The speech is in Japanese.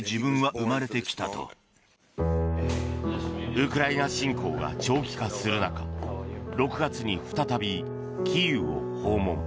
ウクライナ侵攻が長期化する中６月に再びキーウを訪問。